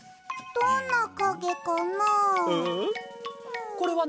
どんなかげかな？